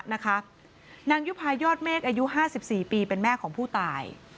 นางยุภายอดเมฆอายุ๕๔ปีเป็นแม่ของผู้ตาย